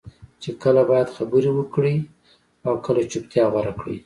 چې کله باید خبرې وکړې او کله چپتیا غوره کړې.